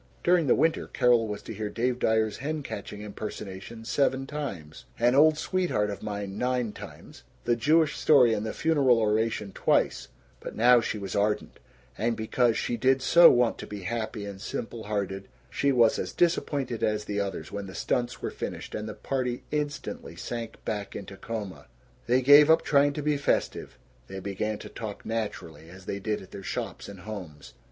During the winter Carol was to hear Dave Dyer's hen catching impersonation seven times, "An Old Sweetheart of Mine" nine times, the Jewish story and the funeral oration twice; but now she was ardent and, because she did so want to be happy and simple hearted, she was as disappointed as the others when the stunts were finished, and the party instantly sank back into coma. They gave up trying to be festive; they began to talk naturally, as they did at their shops and homes.